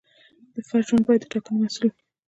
د فرد ژوند باید د ټاکنې محصول وي.